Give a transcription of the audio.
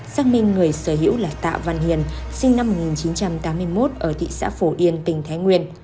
xác minh người sở hữu là tạ văn hiền sinh năm một nghìn chín trăm tám mươi một ở thị xã phổ yên tỉnh thái nguyên